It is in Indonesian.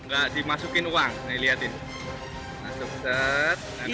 nggak dimasukin uang nih liatin